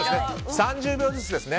３０秒ずつですね。